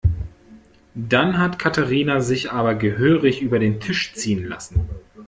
Dann hat Katharina sich aber gehörig über den Tisch ziehen lassen.